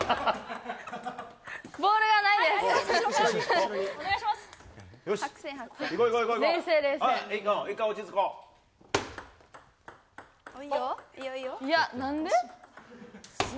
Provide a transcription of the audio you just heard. ボールがないです。